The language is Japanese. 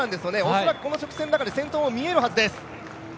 恐らくこの直線の中で先頭も見えるはずです。